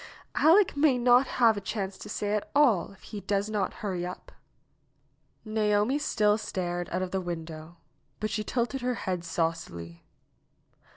''Aleck may not have a chance to say at all, if he does not hurry up." Naomi still stared out of the window, but she tilted her head saucily.